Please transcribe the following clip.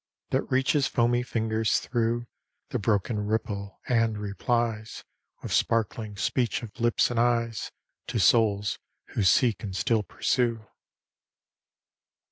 That reaches foamy fingers through The broken ripple, and replies With sparkling speech of lips and eyes To souls who seek and still pursue.